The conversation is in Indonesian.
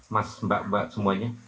mas mbak mbak semuanya